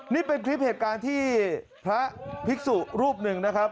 นี่เป็นคลิปเหตุการณ์ที่พระภิกษุรูปหนึ่งนะครับ